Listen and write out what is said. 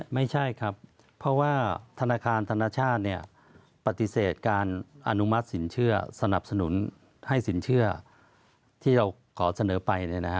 ไม่ใช่ครับเพราะว่าธนาคารธนชาติปฏิเสธการอนุมัติสินเชื่อสนับสนุนให้สินเชื่อที่เราขอเสนอไป